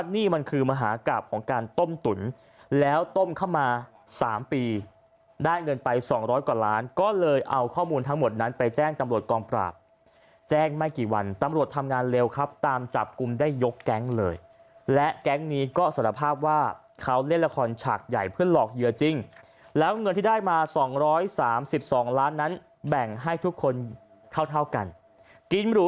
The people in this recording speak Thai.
นี่มันคือมหากราบของการต้มตุ๋นแล้วต้มเข้ามา๓ปีได้เงินไป๒๐๐กว่าล้านก็เลยเอาข้อมูลทั้งหมดนั้นไปแจ้งตำรวจกองปราบแจ้งไม่กี่วันตำรวจทำงานเร็วครับตามจับกลุ่มได้ยกแก๊งเลยและแก๊งนี้ก็สารภาพว่าเขาเล่นละครฉากใหญ่เพื่อหลอกเหยื่อจริงแล้วเงินที่ได้มา๒๓๒ล้านนั้นแบ่งให้ทุกคนเท่าเท่ากันกินหรู